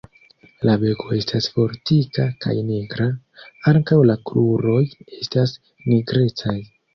La beko estas fortika kaj nigra; ankaŭ la kruroj estas nigrecaj.